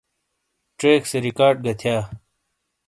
چیک سے ریکارڈ گہ تھیا۔